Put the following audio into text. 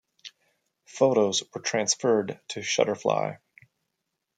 Photos were transferred to Shutterfly.